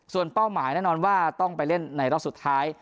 ส่วนเป้าหมายแน่นอนว่าต้องไปเล่นในรอบสุดท้าย